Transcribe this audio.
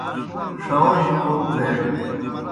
ݜہوجیْ کوْم تھیگہ۔